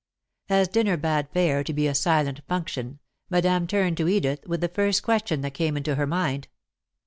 As dinner bade fair to be a silent function, Madame turned to Edith with the first question that came into her mind.